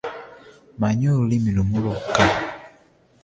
Mmanyi olulimi lumu lwokka.